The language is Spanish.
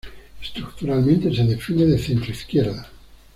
Estructuralmente se define de centroizquierda.